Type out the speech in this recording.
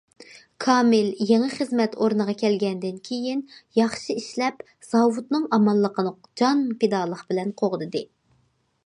كامىل يېڭى خىزمەت ئورنىغا كەلگەندىن كېيىن ياخشى ئىشلەپ زاۋۇتنىڭ ئامانلىقىنى جان پىدالىق بىلەن قوغدىدى.